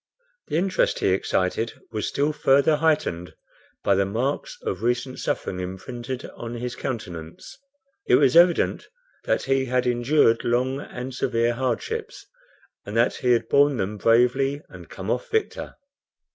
The interest he excited was still further heightened by the marks of recent suffering imprinted on his countenance. It was evident that he had endured long and severe hardships, and that he had borne them bravely and come off victor.